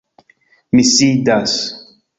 Mi sidas.